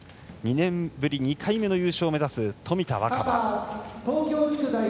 ２年ぶり２回目の優勝を目指す冨田若春。